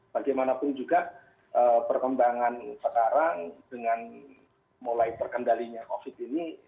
bagaimanapun juga perkembangan sekarang dengan mulai terkendalinya covid ini